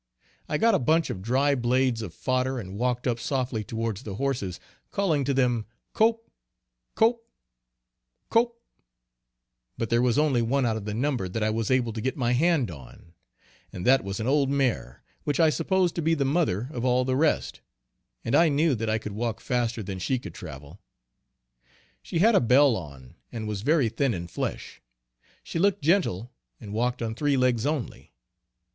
I got a bunch of dry blades of fodder and walked up softly towards the horses, calling to them "cope," "cope," "cope;" but there was only one out of the number that I was able to get my hand on, and that was an old mare, which I supposed to be the mother of all the rest; and I knew that I could walk faster than she could travel. She had a bell on and was very thin in flesh; she looked gentle and walked on three legs only.